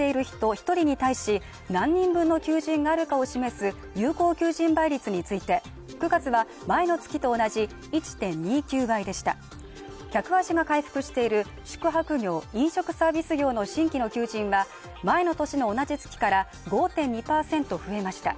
一人に対し何人分の求人があるかを示す有効求人倍率について９月は前の月と同じ１．２９倍でした客足が回復している宿泊業・飲食サービス業の新規の求人は前の年の同じ月から５．２％増えました